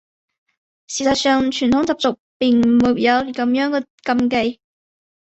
事实上传统习俗并没有这样的禁忌。